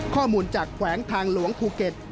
ข้อมูลจากแขวงทางหลวงภูเก็ต